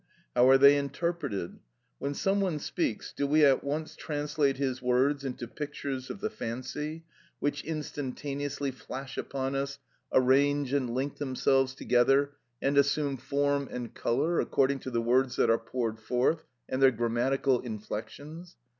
How are they interpreted? When some one speaks, do we at once translate his words into pictures of the fancy, which instantaneously flash upon us, arrange and link themselves together, and assume form and colour according to the words that are poured forth, and their grammatical inflections?